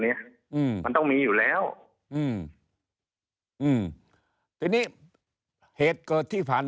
เนี้ยอืมมันต้องมีอยู่แล้วอืมอืมทีนี้เหตุเกิดที่ผ่าน